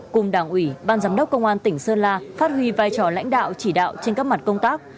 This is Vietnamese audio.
cùng đảng ủy ban giám đốc công an tỉnh sơn la phát huy vai trò lãnh đạo chỉ đạo trên các mặt công tác